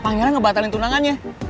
pangeran ngebatalin tunangannya